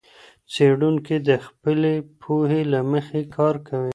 څېړونکی د خپلي پوهي له مخې کار کوي.